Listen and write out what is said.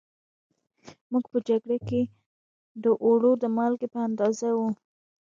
موږ په جگړه کې د اوړو د مالگې په اندازه وو